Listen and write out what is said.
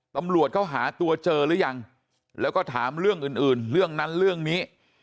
ตำรวจเขาหาตัวเจอหรือยังแล้วก็ถามเรื่องอื่นอื่นเรื่องนั้นเรื่องนี้